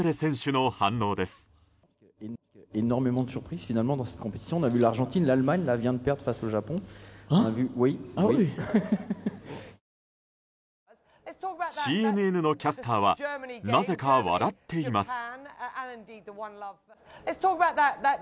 ＣＮＮのキャスターはなぜか笑っています。